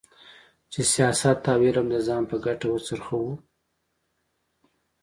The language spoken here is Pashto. چې سیاست او علم د ځان په ګټه وڅرخوو.